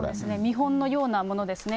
見本のようなものですね。